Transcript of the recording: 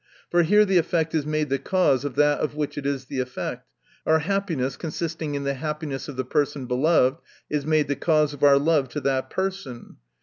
For here the effect is made the cause of that, of which it is the effect : our happiness, consisting in the happiness of the person beloved, is made the cause of our love to that person.